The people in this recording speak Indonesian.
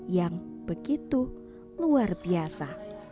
yang begitu luar biasa